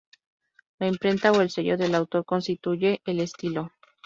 La imprenta o el sello del autor constituye el estilo.